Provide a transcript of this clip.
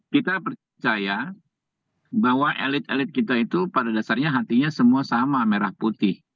kita percaya bahwa elit elit kita itu pada dasarnya hatinya semua sama merah putih